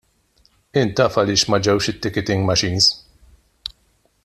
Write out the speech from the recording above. Inti taf għaliex ma ġewx it-ticketing machines.